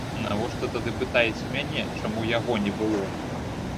Навошта тады пытаеце мяне, чаму яго не было?